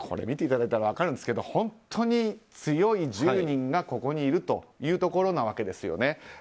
見ていただいたら分かるんですけど本当に、強い１０人がここにいるというところなんです。